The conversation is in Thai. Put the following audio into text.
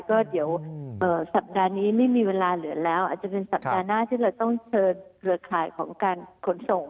ก็เดี๋ยวสัปดาห์นี้ไม่มีเวลาเหลือแล้วอาจจะเป็นสัปดาห์หน้าที่เราต้องเชิญเครือข่ายของการขนส่ง